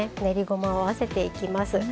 練りごまを合わせていきます。